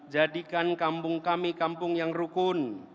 jadikan kampung kami kampung yang rukun